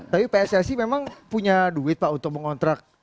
tapi pssi memang punya duit pak untuk mengontrak